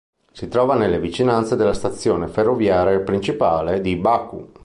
Si trova nelle vicinanze della stazione ferroviaria principale di Baku.